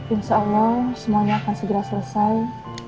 insya allah semuanya akan segera selesai